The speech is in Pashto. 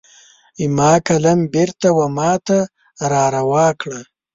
زما قلم بیرته وماته را روا کړه